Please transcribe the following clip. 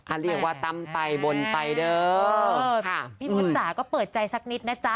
เรียกว่าตำไปบนไปเด้อค่ะพี่มดจ๋าก็เปิดใจสักนิดนะจ๊ะ